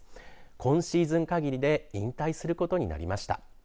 今シーズン限りで引退することになりました。